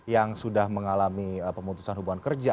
yang sudah mengalami pemutusan hubungan kerja